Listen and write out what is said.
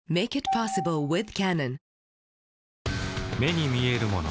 目に見えるもの